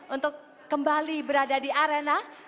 untuk kembali berada di arena